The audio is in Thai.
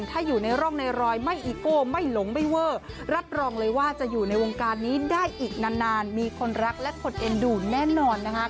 ถ้าอยู่ในร่องในรอยไม่อีโก้ไม่หลงไม่เวอร์รับรองเลยว่าจะอยู่ในวงการนี้ได้อีกนานมีคนรักและคนเอ็นดูแน่นอนนะคะ